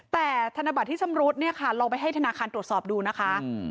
แต่ธนบัตรที่ชำรุดเนี่ยค่ะลองไปให้ธนาคารตรวจสอบดูนะคะ